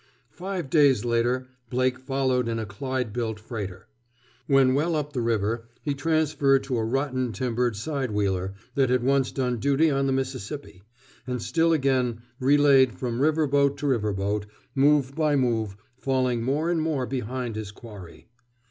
Five days later Blake followed in a Clyde built freighter. When well up the river he transferred to a rotten timbered sidewheeler that had once done duty on the Mississippi, and still again relayed from river boat to river boat, move by move falling more and more behind his quarry.